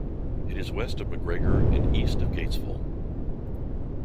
It is west of McGregor and east of Gatesville.